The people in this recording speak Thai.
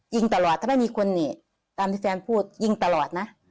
ยิงตลอดถ้าไม่มีคนนี่ตามที่แฟนพูดยิงตลอดนะ